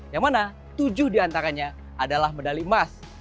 yang mana tujuh diantaranya adalah medali emas